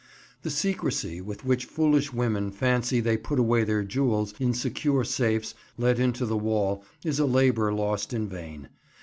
The secrecy with which foolish women fancy they put away their jewels in secure safes let into the wall is a labour lost in vain.